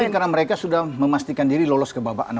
mungkin karena mereka sudah memastikan diri lolos ke babak